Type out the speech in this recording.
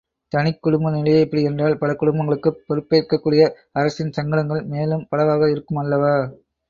தனிக் குடும்பநிலையே இப்படி என்றால் பல குடும்பங்களுக்குப் பொறுப்பேற்கக் கூடிய அரசின் சங்கடங்கள் மேலும் பலவாக இருக்கும் அல்லவா?